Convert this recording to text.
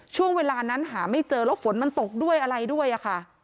ช่วงเวลานั้นหาไม่เจอแล้วฝนมันตกด้วยอะไรด้วยค่ะ